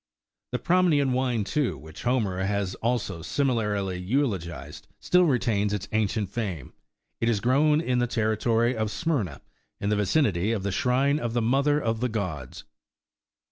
The Pramnian wine, too, which Homer 41 has also similarly eulogized, still retains its ancient fame : it is grown in the territory of Smyrna, in the vicinity of the shrine of the Mother12 of the Gods.